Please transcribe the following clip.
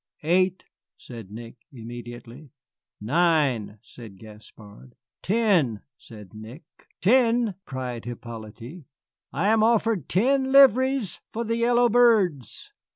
"Eight!" said Nick, immediately. "Nine," said Gaspard. "Ten," said Nick. "Ten," cried Hippolyte, "I am offered ten livres for the yellow birds.